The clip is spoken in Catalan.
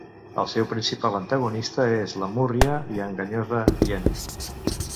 El seu principal antagonista és la múrria i enganyosa hiena.